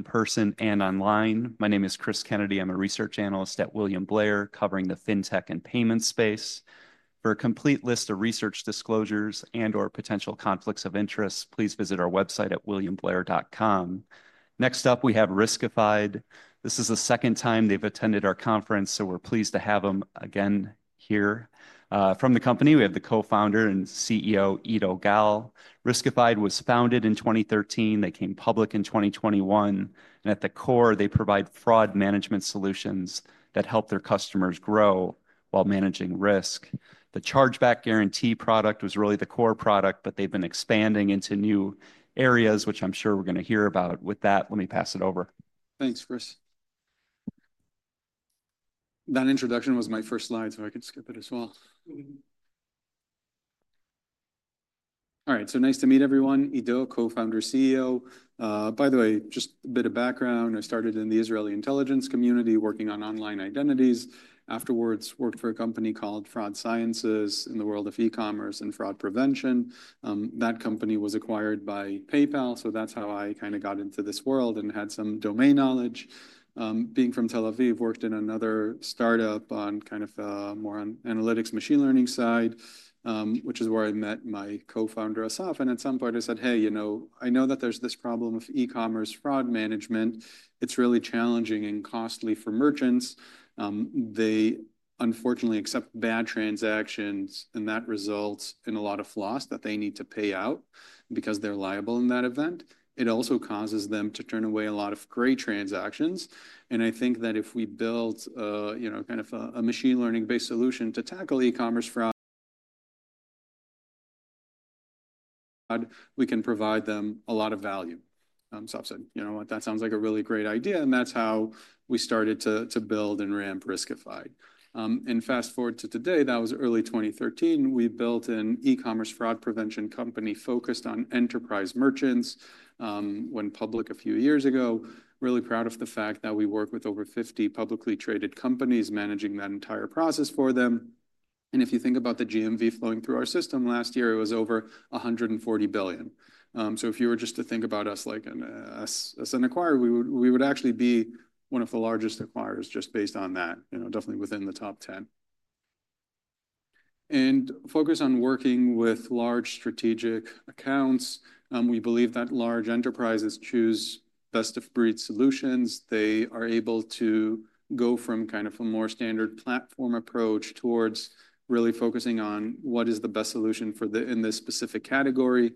In person and online. My name is Cris Kennedy. I'm a research analyst at William Blair, covering the fintech and payment space. For a complete list of research disclosures and/or potential conflicts of interest, please visit our website at williamblair.com. Next up, we have Riskified. This is the second time they've attended our conference, so we're pleased to have them again here. From the company, we have the Co-founder and CEO, Eido Gal. Riskified was founded in 2013. They came public in 2021. At the core, they provide fraud management solutions that help their customers grow while managing risk. The Chargeback Guarantee product was really the core product, but they've been expanding into new areas, which I'm sure we're going to hear about. With that, let me pass it over. Thanks, Cris. That introduction was my first slide, so I could skip it as well. All right, so nice to meet everyone. Eido, co-founder, CEO. By the way, just a bit of background. I started in the Israeli intelligence community working on online identities. Afterwards, worked for a company called Fraud Sciences in the world of e-commerce and fraud prevention. That company was acquired by PayPal, so that's how I kind of got into this world and had some domain knowledge. Being from Tel Aviv, worked in another startup on kind of more on analytics machine learning side, which is where I met my co-founder, Asaf. At some point, I said, "Hey, you know, I know that there's this problem of e-commerce fraud management. It's really challenging and costly for merchants. They unfortunately accept bad transactions, and that results in a lot of loss that they need to pay out because they're liable in that event. It also causes them to turn away a lot of great transactions. I think that if we build, you know, kind of a machine learning-based solution to tackle e-commerce fraud, we can provide them a lot of value. I said, "You know what? That sounds like a really great idea." That is how we started to build and ramp Riskified. Fast forward to today, that was early 2013. We built an e-commerce fraud prevention company focused on enterprise merchants, went public a few years ago. Really proud of the fact that we work with over 50 publicly traded companies managing that entire process for them. If you think about the GMV flowing through our system last year, it was over $140 billion. If you were just to think about us like an acquirer, we would actually be one of the largest acquirers just based on that, you know, definitely within the top 10. We focus on working with large strategic accounts. We believe that large enterprises choose best-of-breed solutions. They are able to go from kind of a more standard platform approach towards really focusing on what is the best solution for them in this specific category.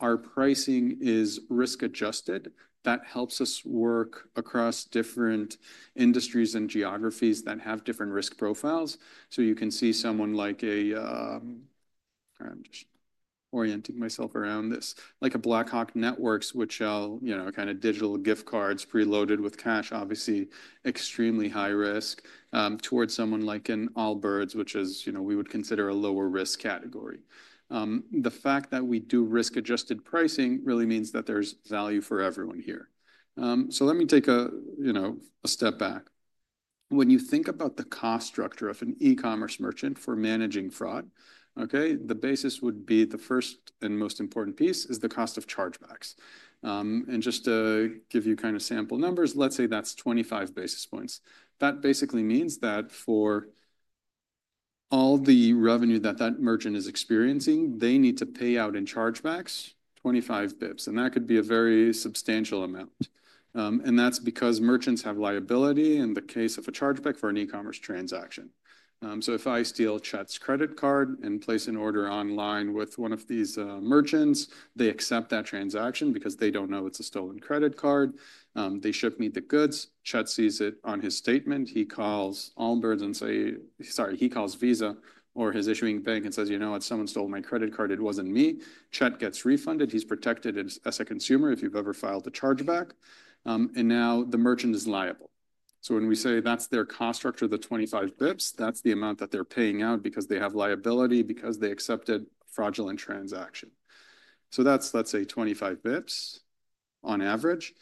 Our pricing is risk-adjusted. That helps us work across different industries and geographies that have different risk profiles. You can see someone like a—I'm just orienting myself around this—like a Blackhawk Networks, which, you know, kind of digital gift cards preloaded with cash, obviously extremely high risk, towards someone like an Allbirds, which is, you know, we would consider a lower risk category. The fact that we do risk-adjusted pricing really means that there's value for everyone here. Let me take a, you know, a step back. When you think about the cost structure of an e-commerce merchant for managing fraud, okay, the basis would be the first and most important piece is the cost of chargebacks. Just to give you kind of sample numbers, let's say that's 25 basis points. That basically means that for all the revenue that that merchant is experiencing, they need to pay out in chargebacks 25 basis points. That could be a very substantial amount. That is because merchants have liability in the case of a chargeback for an e-commerce transaction. If I steal Chet's credit card and place an order online with one of these merchants, they accept that transaction because they do not know it is a stolen credit card. They ship me the goods. Chet sees it on his statement. He calls Allbirds and says, sorry, he calls Visa or his issuing bank and says, "You know what? Someone stole my credit card. It was not me." Chet gets refunded. He is protected as a consumer if you have ever filed a chargeback. Now the merchant is liable. When we say that is their cost structure, the 25 basis points, that is the amount that they are paying out because they have liability, because they accepted a fraudulent transaction. That is, let us say, 25 basis points on average.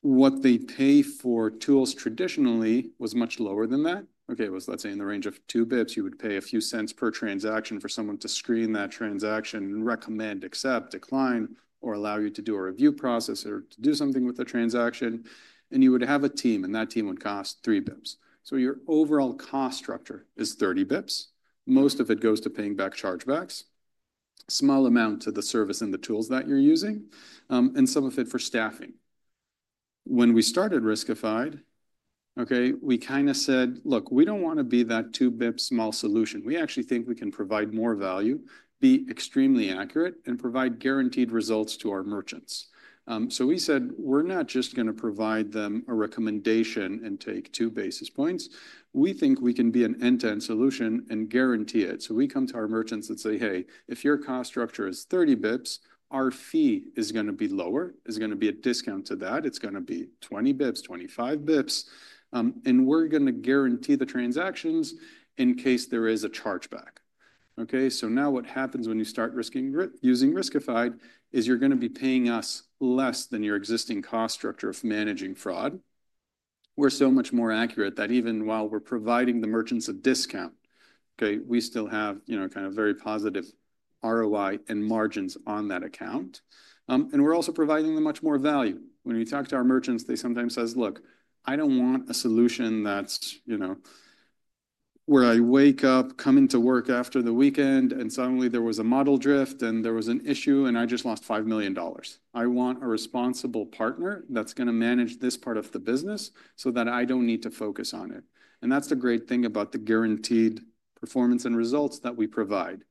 What they pay for tools traditionally was much lower than that. Okay, it was, let's say, in the range of two basis points. You would pay a few cents per transaction for someone to screen that transaction, recommend, accept, decline, or allow you to do a review process or to do something with the transaction. You would have a team, and that team would cost three basis points. Your overall cost structure is 30 basis points. Most of it goes to paying back chargebacks, a small amount to the service and the tools that you're using, and some of it for staffing. When we started Riskified, okay, we kind of said, "Look, we don't want to be that two basis point small solution. We actually think we can provide more value, be extremely accurate, and provide guaranteed results to our merchants." We said, "We're not just going to provide them a recommendation and take two basis points. We think we can be an end-to-end solution and guarantee it. We come to our merchants and say, "Hey, if your cost structure is 30 basis points, our fee is going to be lower, is going to be a discount to that. It is going to be 20 basis points, 25 basis points. And we are going to guarantee the transactions in case there is a chargeback." Now what happens when you start using Riskified is you are going to be paying us less than your existing cost structure of managing fraud. We are so much more accurate that even while we are providing the merchants a discount, we still have, you know, kind of very positive ROI and margins on that account. We are also providing them much more value. When we talk to our merchants, they sometimes say, "Look, I don't want a solution that's, you know, where I wake up, come into work after the weekend, and suddenly there was a model drift and there was an issue and I just lost $5 million. I want a responsible partner that's going to manage this part of the business so that I don't need to focus on it." That is the great thing about the guaranteed performance and results that we provide.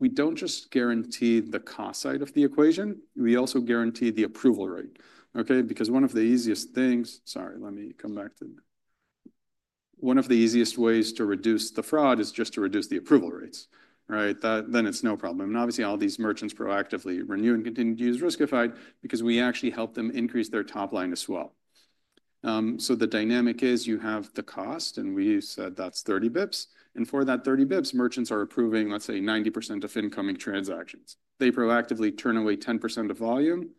We don't just guarantee the cost side of the equation. We also guarantee the approval rate. Okay, because one of the easiest things—sorry, let me come back to—one of the easiest ways to reduce the fraud is just to reduce the approval rates, right? Then it's no problem. Obviously, all these merchants proactively renew and continue to use Riskified because we actually help them increase their top line as well. The dynamic is you have the cost, and we said that's 30 basis points. For that 30 basis points, merchants are approving, let's say, 90% of incoming transactions. They proactively turn away 10% of volume,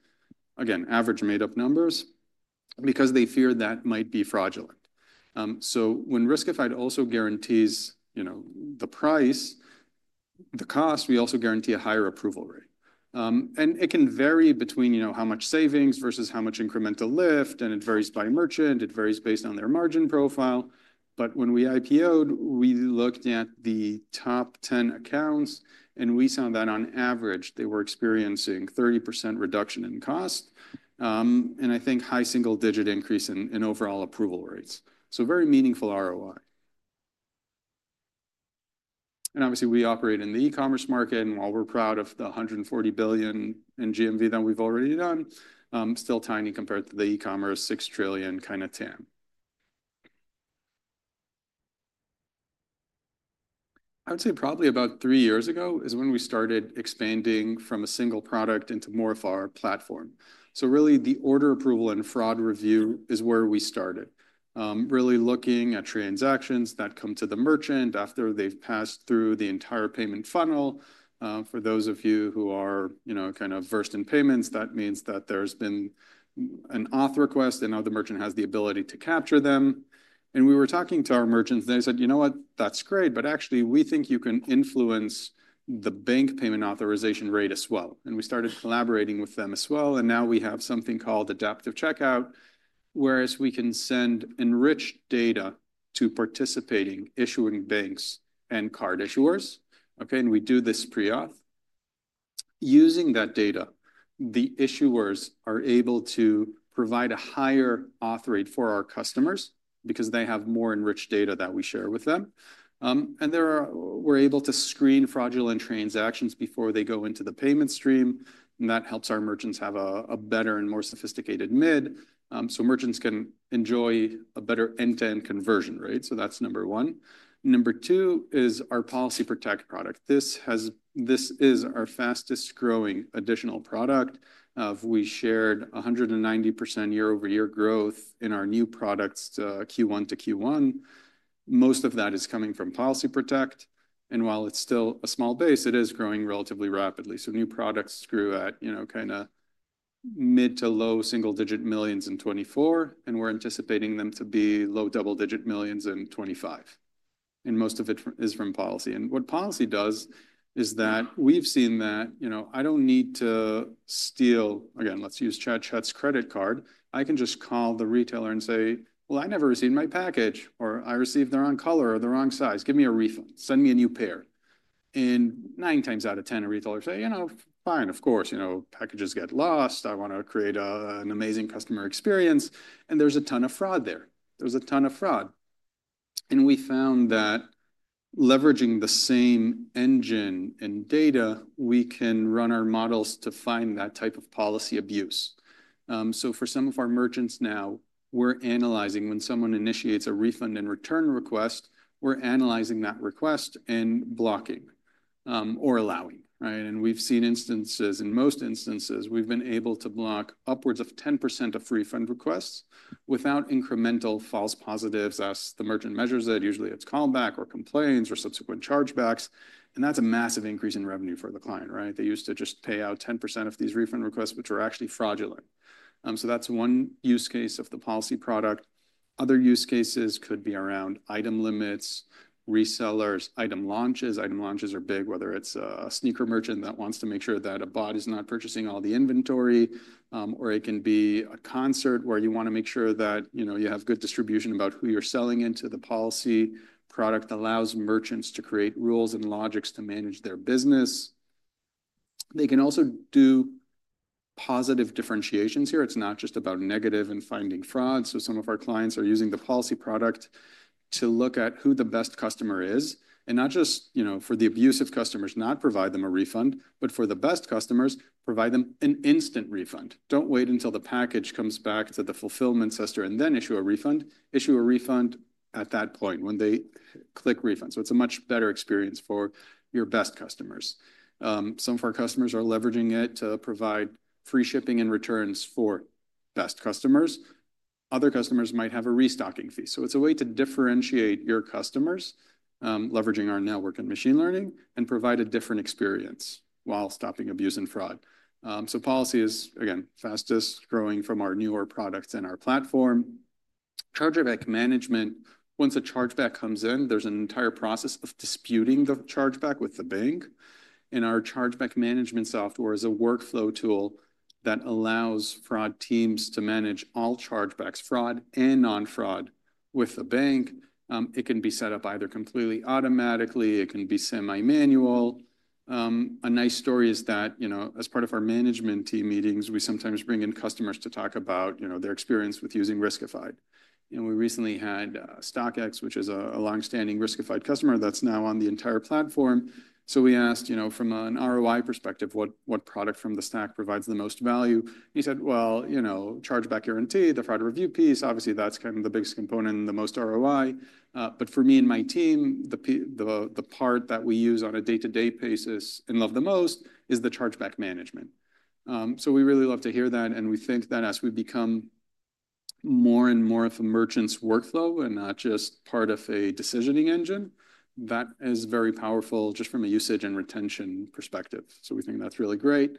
again, average made-up numbers, because they fear that might be fraudulent. When Riskified also guarantees, you know, the price, the cost, we also guarantee a higher approval rate. It can vary between, you know, how much savings versus how much incremental lift, and it varies by merchant. It varies based on their margin profile. When we IPOed, we looked at the top 10 accounts, and we saw that on average, they were experiencing 30% reduction in cost and I think high single-digit increase in overall approval rates. Very meaningful ROI. Obviously, we operate in the e-commerce market, and while we're proud of the $140 billion in GMV that we've already done, it's still tiny compared to the e-commerce $6 trillion kind of TAM. I would say probably about three years ago is when we started expanding from a single product into more of our platform. Really, the order approval and fraud review is where we started, really looking at transactions that come to the merchant after they've passed through the entire payment funnel. For those of you who are, you know, kind of versed in payments, that means that there's been an auth request and now the merchant has the ability to capture them. We were talking to our merchants, and they said, "You know what? That's great, but actually we think you can influence the bank payment authorization rate as well. We started collaborating with them as well. Now we have something called Adaptive Checkout, whereas we can send enriched data to participating issuing banks and card issuers. We do this pre-auth. Using that data, the issuers are able to provide a higher auth rate for our customers because they have more enriched data that we share with them. We are able to screen fraudulent transactions before they go into the payment stream. That helps our merchants have a better and more sophisticated mid. Merchants can enjoy a better end-to-end conversion, right? That's number one. Number two is our Policy Protect product. This is our fastest growing additional product. We shared 190% year-over-year growth in our new products Q1 to Q1. Most of that is coming from Policy Protect. While it's still a small base, it is growing relatively rapidly. New products grew at, you know, kind of mid to low single-digit millions in 2024, and we're anticipating them to be low double-digit millions in 2025. Most of it is from policy. What policy does is that we've seen that, you know, I don't need to steal, again, let's use Chett's credit card. I can just call the retailer and say, "Well, I never received my package," or "I received the wrong color or the wrong size. Give me a refund. Send me a new pair." Nine times out of ten, a retailer says, "You know, fine, of course, you know, packages get lost. I want to create an amazing customer experience." There's a ton of fraud there. There's a ton of fraud. We found that leveraging the same engine and data, we can run our models to find that type of policy abuse. For some of our merchants now, we're analyzing when someone initiates a refund and return request, we're analyzing that request and blocking or allowing, right? We've seen instances, in most instances, we've been able to block upwards of 10% of refund requests without incremental false positives as the merchant measures it. Usually, it's callback or complaints or subsequent chargebacks. That's a massive increase in revenue for the client, right? They used to just pay out 10% of these refund requests, which are actually fraudulent. That's one use case of the policy product. Other use cases could be around item limits, resellers, item launches. Item launches are big, whether it's a sneaker merchant that wants to make sure that a bot is not purchasing all the inventory, or it can be a concert where you want to make sure that, you know, you have good distribution about who you're selling into the policy. Product allows merchants to create rules and logics to manage their business. They can also do positive differentiations here. It's not just about negative and finding fraud. Some of our clients are using the policy product to look at who the best customer is and not just, you know, for the abusive customers, not provide them a refund, but for the best customers, provide them an instant refund. Don't wait until the package comes back to the fulfillment sister and then issue a refund. Issue a refund at that point when they click refund. It's a much better experience for your best customers. Some of our customers are leveraging it to provide free shipping and returns for best customers. Other customers might have a restocking fee. It's a way to differentiate your customers, leveraging our network and machine learning and provide a different experience while stopping abuse and fraud. Policy is, again, fastest growing from our newer products and our platform. Chargeback management, once a chargeback comes in, there's an entire process of disputing the chargeback with the bank. Our chargeback management software is a workflow tool that allows fraud teams to manage all chargebacks, fraud and non-fraud with the bank. It can be set up either completely automatically. It can be semi-manual. A nice story is that, you know, as part of our management team meetings, we sometimes bring in customers to talk about, you know, their experience with using Riskified. And we recently had StockX, which is a long-standing Riskified customer that's now on the entire platform. So we asked, you know, from an ROI perspective, what product from the stack provides the most value? And he said, "Well, you know, Chargeback Guarantee, the fraud review piece." Obviously, that's kind of the biggest component and the most ROI. But for me and my team, the part that we use on a day-to-day basis and love the most is the Chargeback Management. So we really love to hear that. And we think that as we become more and more of a merchant's workflow and not just part of a decisioning engine, that is very powerful just from a usage and retention perspective. We think that's really great.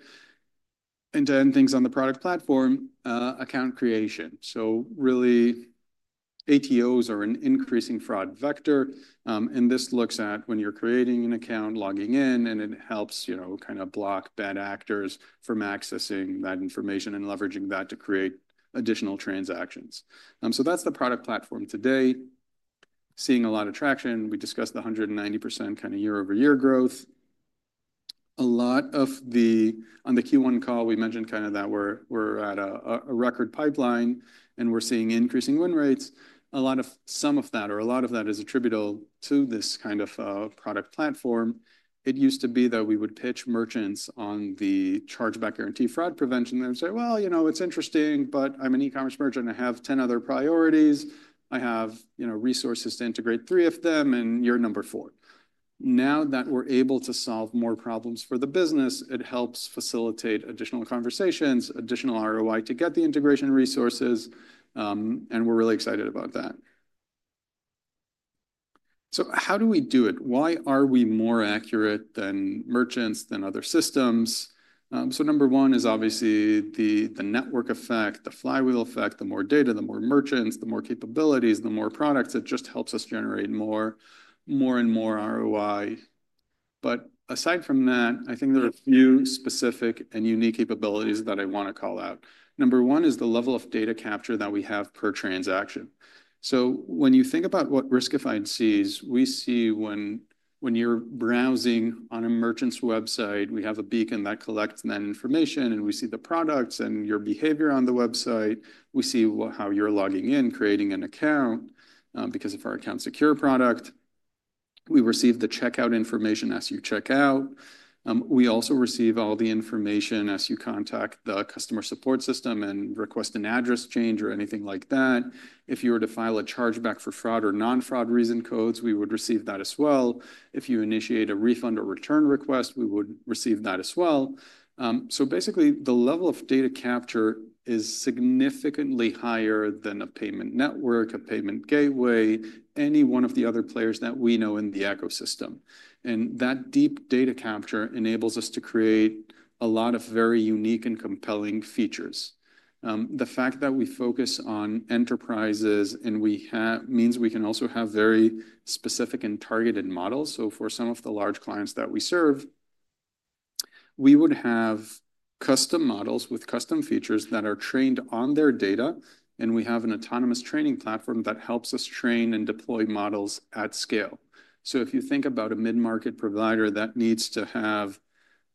To end things on the product platform, account creation. Really, ATOs are an increasing fraud vector. This looks at when you're creating an account, logging in, and it helps, you know, kind of block bad actors from accessing that information and leveraging that to create additional transactions. That's the product platform today. Seeing a lot of traction. We discussed the 190% kind of year-over-year growth. A lot of the, on the Q1 call, we mentioned kind of that we're at a record pipeline and we're seeing increasing win rates. A lot of some of that, or a lot of that is attributable to this kind of product platform. It used to be that we would pitch merchants on the Chargeback Guarantee fraud prevention. They would say, "Well, you know, it's interesting, but I'm an e-commerce merchant. I have 10 other priorities. I have, you know, resources to integrate three of them and you're number four. Now that we're able to solve more problems for the business, it helps facilitate additional conversations, additional ROI to get the integration resources. We're really excited about that. How do we do it? Why are we more accurate than merchants, than other systems? Number one is obviously the network effect, the flywheel effect. The more data, the more merchants, the more capabilities, the more products. It just helps us generate more and more ROI. Aside from that, I think there are a few specific and unique capabilities that I want to call out. Number one is the level of data capture that we have per transaction. When you think about what Riskified sees, we see when you're browsing on a merchant's website, we have a beacon that collects that information and we see the products and your behavior on the website. We see how you're logging in, creating an account because of our Account Secure product. We receive the checkout information as you check out. We also receive all the information as you contact the customer support system and request an address change or anything like that. If you were to file a chargeback for fraud or non-fraud reason codes, we would receive that as well. If you initiate a refund or return request, we would receive that as well. Basically, the level of data capture is significantly higher than a payment network, a payment gateway, any one of the other players that we know in the ecosystem. That deep data capture enables us to create a lot of very unique and compelling features. The fact that we focus on enterprises means we can also have very specific and targeted models. For some of the large clients that we serve, we would have custom models with custom features that are trained on their data. We have an autonomous training platform that helps us train and deploy models at scale. If you think about a mid-market provider that needs to have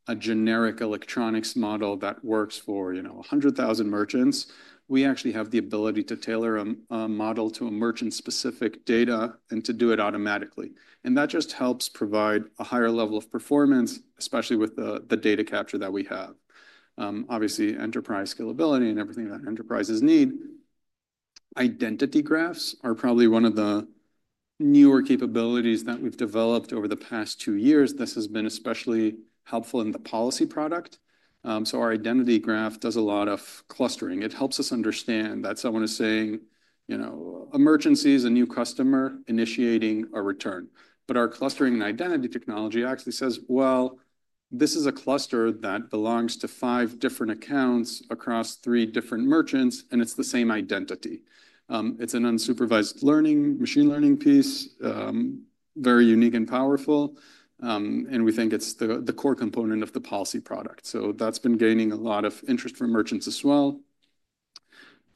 a generic electronics model that works for, you know, 100,000 merchants, we actually have the ability to tailor a model to a merchant-specific data and to do it automatically. That just helps provide a higher level of performance, especially with the data capture that we have. Obviously, enterprise scalability and everything that enterprises need. Identity graphs are probably one of the newer capabilities that we've developed over the past two years. This has been especially helpful in the Policy Protect product. Our identity graph does a lot of clustering. It helps us understand that someone is saying, you know, emergency is a new customer initiating a return. Our clustering and identity technology actually says, well, this is a cluster that belongs to five different accounts across three different merchants, and it's the same identity. It's an unsupervised learning, machine learning piece, very unique and powerful. We think it's the core component of the Policy Protect product. That's been gaining a lot of interest from merchants as well.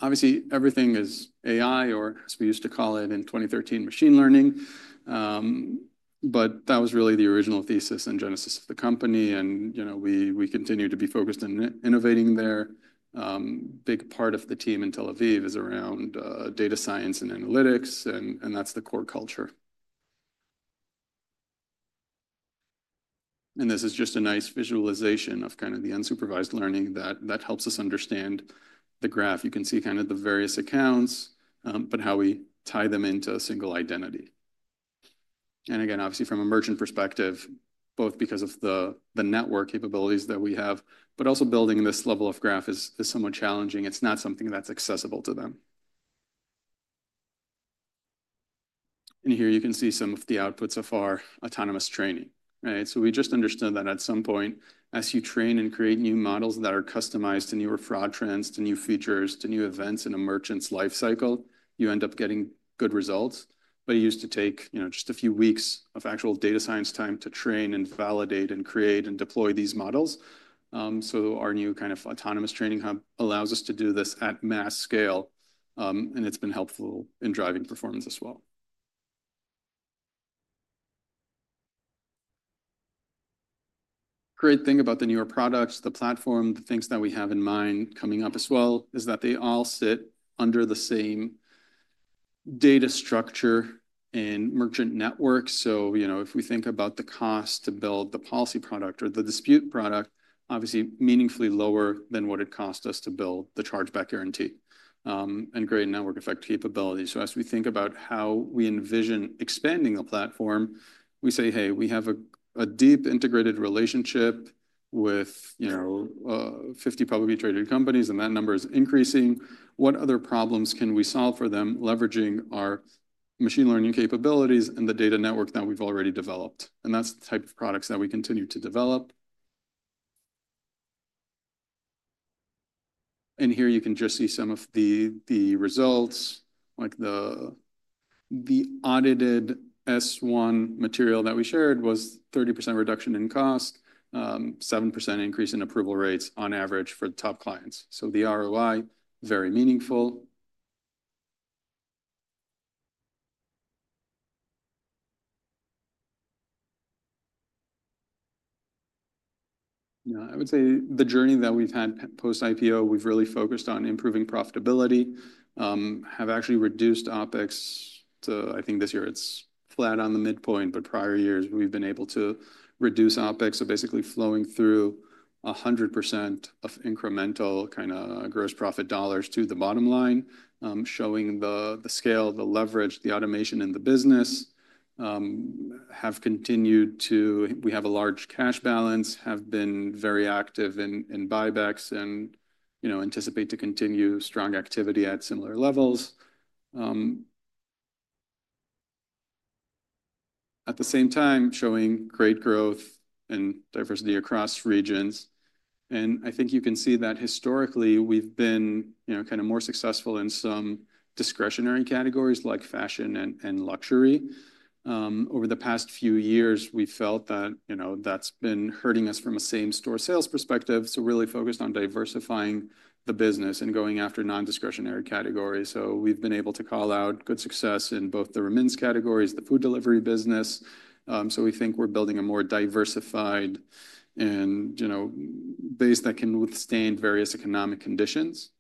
Obviously, everything is AI, or as we used to call it in 2013, machine learning. That was really the original thesis and genesis of the company. You know, we continue to be focused on innovating there. A big part of the team in Tel Aviv is around data science and analytics, and that's the core culture. This is just a nice visualization of kind of the unsupervised learning that helps us understand the graph. You can see kind of the various accounts, but how we tie them into a single identity. Obviously from a merchant perspective, both because of the network capabilities that we have, but also building this level of graph is somewhat challenging. It's not something that's accessible to them. Here you can see some of the outputs of our autonomous training, right? We just understood that at some point, as you train and create new models that are customized to newer fraud trends, to new features, to new events in a merchant's lifecycle, you end up getting good results. It used to take, you know, just a few weeks of actual data science time to train and validate and create and deploy these models. Our new kind of autonomous training hub allows us to do this at mass scale. It has been helpful in driving performance as well. Great thing about the newer products, the platform, the things that we have in mind coming up as well is that they all sit under the same data structure and merchant network. If we think about the cost to build the policy product or the dispute product, obviously meaningfully lower than what it cost us to build the Chargeback Guarantee and great network effect capability. As we think about how we envision expanding the platform, we say, hey, we have a deep integrated relationship with, you know, 50 publicly traded companies and that number is increasing. What other problems can we solve for them leveraging our machine learning capabilities and the data network that we've already developed? That's the type of products that we continue to develop. Here you can just see some of the results, like the audited S1 material that we shared was 30% reduction in cost, 7% increase in approval rates on average for the top clients. The ROI, very meaningful. Yeah, I would say the journey that we've had post-IPO, we've really focused on improving profitability, have actually reduced OpEx to, I think this year it's flat on the midpoint, but prior years we've been able to reduce OpEx. Basically flowing through 100% of incremental kind of gross profit dollars to the bottom line, showing the scale, the leverage, the automation in the business have continued to, we have a large cash balance, have been very active in buybacks and, you know, anticipate to continue strong activity at similar levels. At the same time, showing great growth and diversity across regions. I think you can see that historically we've been, you know, kind of more successful in some discretionary categories like fashion and luxury. Over the past few years, we felt that, you know, that's been hurting us from a same-store sales perspective. Really focused on diversifying the business and going after non-discretionary categories. We've been able to call out good success in both the Remains categories, the food delivery business. We think we're building a more diversified and, you know, base that can withstand various economic conditions.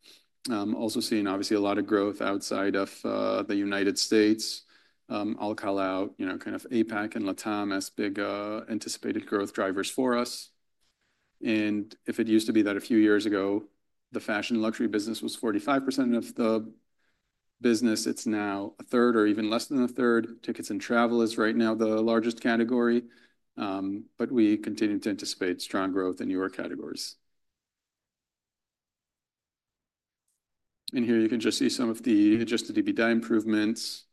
Also seeing obviously a lot of growth outside of the U.S. I'll call out, you know, kind of APAC and Latin America as big anticipated growth drivers for us. If it used to be that a few years ago, the fashion luxury business was 45% of the business, it's now a third or even less than a third. Tickets and travel is right now the largest category. We continue to anticipate strong growth in newer categories. Here you can just see some of the adjusted EBITDA improvements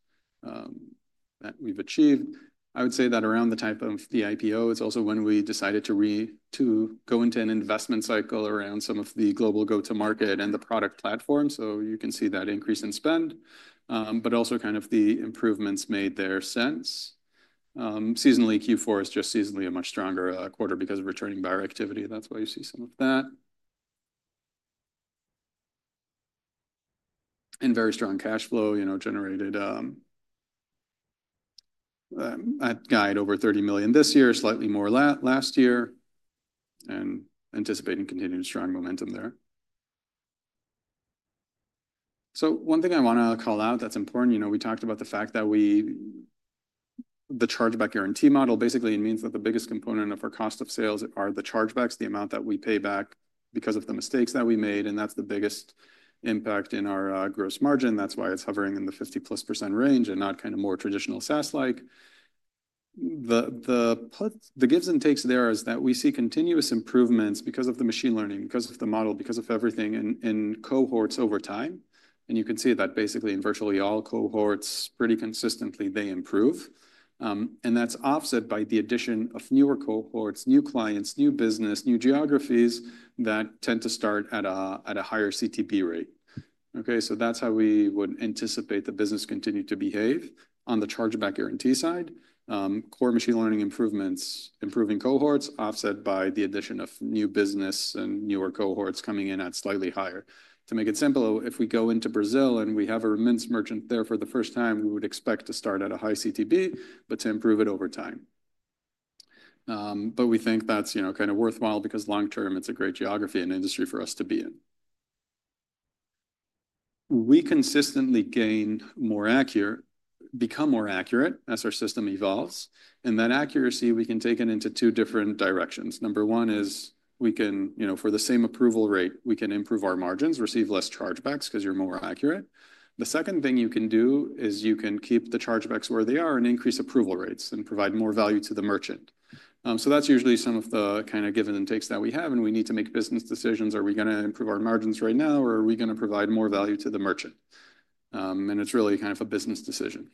that we've achieved. I would say that around the time of the IPO, it's also when we decided to go into an investment cycle around some of the global go-to-market and the product platform. You can see that increase in spend, but also kind of the improvements made there since. Seasonally, Q4 is just seasonally a much stronger quarter because of returning buyer activity. That's why you see some of that. Very strong cash flow, you know, generated at guide over $30 million this year, slightly more last year. Anticipating continued strong momentum there. One thing I want to call out that's important, you know, we talked about the fact that we, the Chargeback Guarantee model basically means that the biggest component of our cost of sales are the chargebacks, the amount that we pay back because of the mistakes that we made. That's the biggest impact in our gross margin. That's why it's hovering in the 50+% range and not kind of more traditional SaaS-like. The gifts and takes there is that we see continuous improvements because of the machine learning, because of the model, because of everything in cohorts over time. You can see that basically in virtually all cohorts, pretty consistently they improve. That's offset by the addition of newer cohorts, new clients, new business, new geographies that tend to start at a higher CTB rate. Okay, that's how we would anticipate the business continue to behave on the Chargeback Guarantee side. Core machine learning improvements, improving cohorts offset by the addition of new business and newer cohorts coming in at slightly higher. To make it simple, if we go into Brazil and we have a Rimmens merchant there for the first time, we would expect to start at a high CTB, but to improve it over time. We think that's, you know, kind of worthwhile because long term it's a great geography and industry for us to be in. We consistently become more accurate as our system evolves. That accuracy, we can take it into two different directions. Number one is we can, you know, for the same approval rate, we can improve our margins, receive less chargebacks because you're more accurate. The second thing you can do is you can keep the chargebacks where they are and increase approval rates and provide more value to the merchant. That's usually some of the kind of give and takes that we have. We need to make business decisions. Are we going to improve our margins right now or are we going to provide more value to the merchant? It is really kind of a business decision.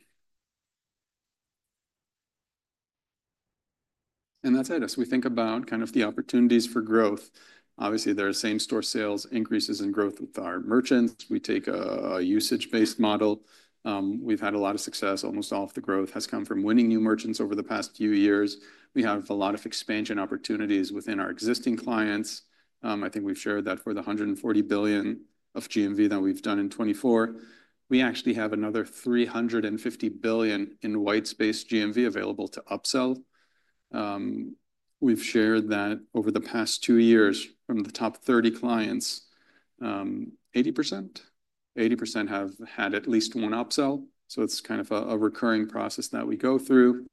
That is it. As we think about the opportunities for growth, obviously there are same-store sales increases in growth with our merchants. We take a usage-based model. We have had a lot of success. Almost all of the growth has come from winning new merchants over the past few years. We have a lot of expansion opportunities within our existing clients. I think we have shared that for the $140 billion of GMV that we have done in 2024, we actually have another $350 billion in white space GMV available to upsell. We have shared that over the past two years from the top 30 clients, 80% have had at least one upsell. It's kind of a recurring process that we go through.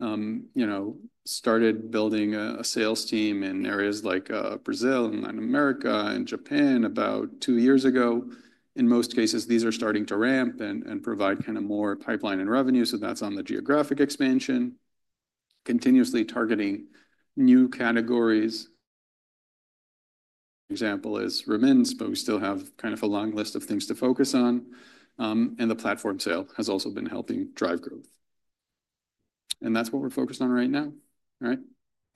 You know, started building a sales team in areas like Brazil and Latin America and Japan about two years ago. In most cases, these are starting to ramp and provide kind of more pipeline and revenue. That's on the geographic expansion, continuously targeting new categories. Example is Rimins, but we still have kind of a long list of things to focus on. The platform sale has also been helping drive growth. That's what we're focused on right now. All right.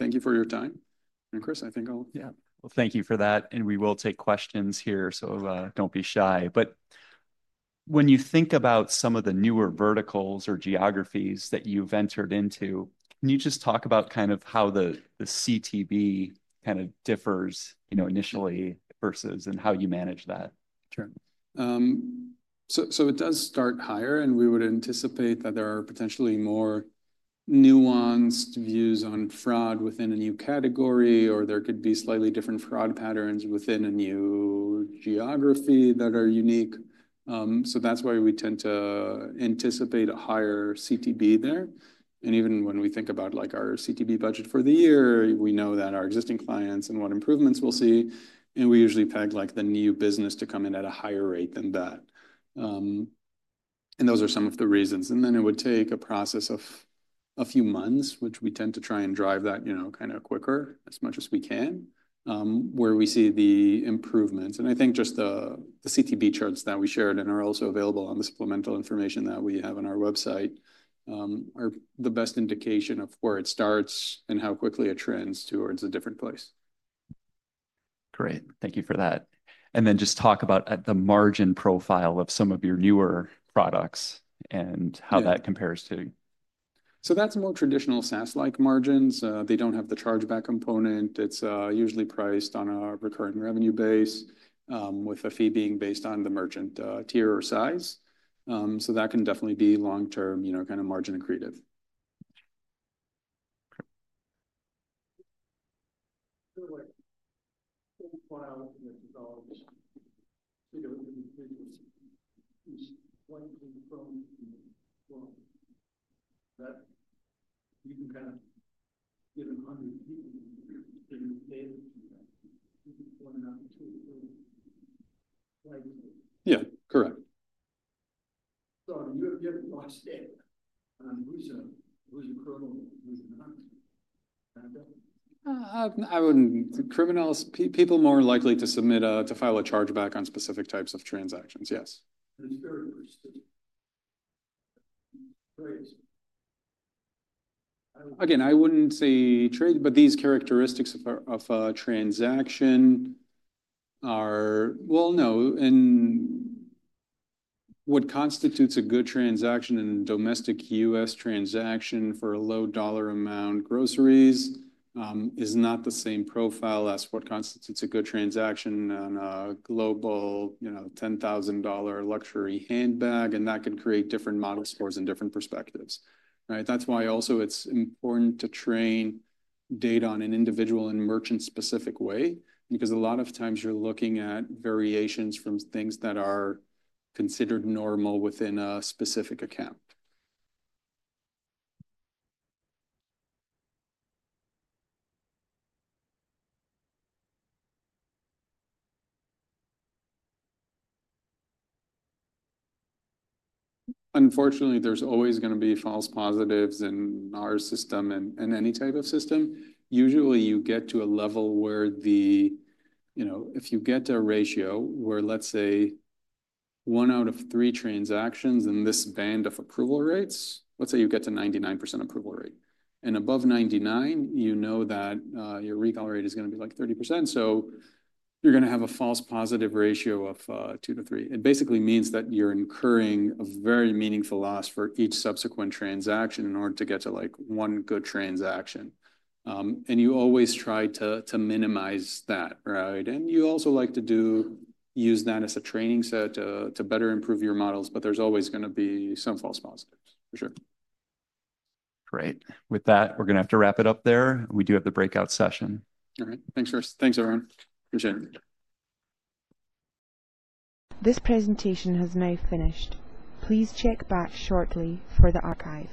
Thank you for your time. And Cris, I think I'll, yeah. Thank you for that. We will take questions here. Don't be shy. When you think about some of the newer verticals or geographies that you've entered into, can you just talk about kind of how the CTB kind of differs, you know, initially versus and how you manage that? Sure. It does start higher, and we would anticipate that there are potentially more nuanced views on fraud within a new category, or there could be slightly different fraud patterns within a new geography that are unique. That is why we tend to anticipate a higher CTB there. Even when we think about like our CTB budget for the year, we know that our existing clients and what improvements we'll see. We usually peg like the new business to come in at a higher rate than that, and those are some of the reasons. It would take a process of a few months, which we tend to try and drive that, you know, kind of quicker as much as we can, where we see the improvements. I think just the CTB charts that we shared and are also available on the supplemental information that we have on our website are the best indication of where it starts and how quickly it trends towards a different place. Great. Thank you for that. Just talk about the margin profile of some of your newer products and how that compares to. That is more traditional SaaS-like margins. They do not have the chargeback component. It is usually priced on a recurring revenue base, with a fee being based on the merchant tier or size. That can definitely be long-term, you know, kind of margin accretive. Yeah, correct. I wouldn't, criminals, people more likely to submit a, to file a chargeback on specific types of transactions, yes. Again, I wouldn't say trade, but these characteristics of a transaction are, well, no, and what constitutes a good transaction in domestic U.S. transaction for a low dollar amount groceries is not the same profile as what constitutes a good transaction on a global, you know, $10,000 luxury handbag. That could create different model scores and different perspectives. Right. That's why also it's important to train data on an individual and merchant-specific way, because a lot of times you're looking at variations from things that are considered normal within a specific account. Unfortunately, there's always going to be false positives in our system and any type of system. Usually you get to a level where, you know, if you get to a ratio where, let's say, one out of three transactions in this band of approval rates, let's say you get to 99% approval rate. And above 99, you know that your recall rate is going to be like 30%. So you're going to have a false positive ratio of two to three. It basically means that you're incurring a very meaningful loss for each subsequent transaction in order to get to like one good transaction. You always try to minimize that, right? You also like to do use that as a training set to better improve your models, but there's always going to be some false positives for sure. Great. With that, we're going to have to wrap it up there. We do have the breakout session. All right. Thanks, Cris. Thanks, Aaron. Appreciate it. This presentation has now finished. Please check back shortly for the archive.